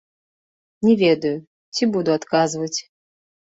Не ведаю, ці буду адказваць.